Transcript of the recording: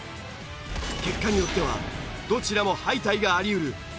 結果によってはどちらも敗退がありうるデスマッチ。